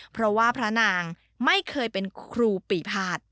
เพราะว่าพระนางไม่เคยเป็นครูปีภาษ